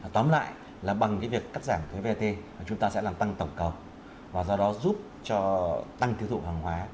tóm lại là bằng việc cắt giảm thuế vat chúng ta sẽ làm tăng tổng cầu và do đó giúp cho tăng tiêu thụ hàng hóa